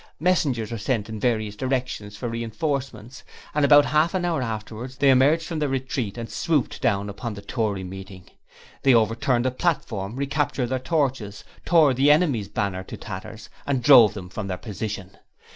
Messengers were sent in various directions for reinforcements, and about half an hour afterwards they emerged from their retreat and swooped down upon the Tory meeting. They overturned the platform, recaptured their torches, tore the enemy's banner to tatters and drove them from their position.